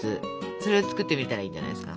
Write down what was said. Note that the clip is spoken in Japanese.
それを作ってみたらいいんじゃないですか？